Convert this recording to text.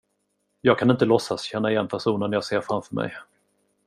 Jag kan inte låtsas känna igen personen jag ser framför mig.